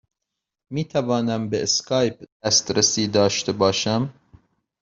می توانم به اسکایپ دسترسی داشته باشم؟